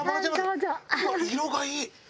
うわっ色がいい！